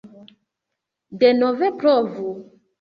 Denove provu